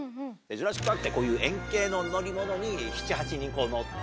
ジュラシック・パークって円形の乗り物に７８人乗って。